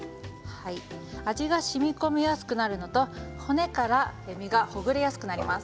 味がしみこみやすくなるのと骨から身がほぐれやすくなります。